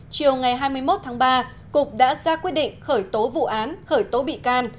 chiều ngày hai mươi một tháng ba cục đã ra quyết định khởi tố vụ án khởi tố bị can